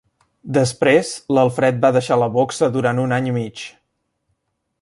Després, l'Alfred va deixar la boxa durant un any i mig.